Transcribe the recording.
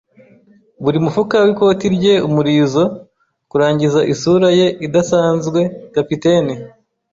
buri mufuka wikoti rye umurizo. Kurangiza isura ye idasanzwe, Kapiteni